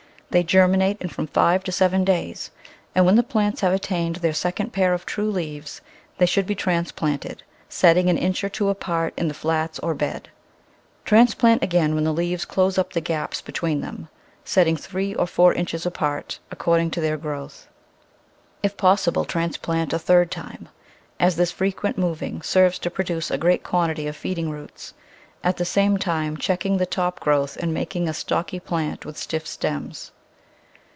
They germinate in from five to seven days, and when the plants have attained their second pair of true leaves they should be transplanted, setting an inch or two apart in the flats or bed. Transplant again when the leaves close up the gaps between them, setting three or four inches apart according to their growth. If possible, transplant a third time, as this frequent moving serves to produce a great quantity of feeding roots, at the same time checking the top growth and making a stocky plant with stiff stems.